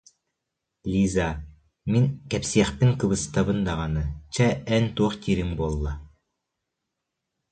Лиза, мин кэпсиэхпин кыбыстабын даҕаны, чэ, эн, туох диириҥ буолла